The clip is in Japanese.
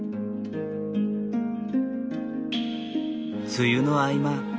梅雨の合間。